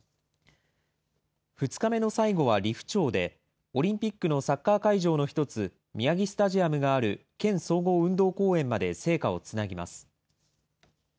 ２日目の最後は利府町で、オリンピックのサッカー会場の一つ、宮城スタジアムがある県総合運動公園まで聖火をつなぎます。